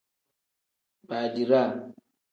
Badiraa.